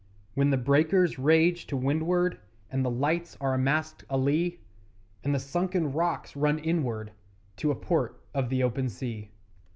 When the breakers rage to windward And the lights are masked a lee, And the sunken rocks run inward To a Port of the Open Sea.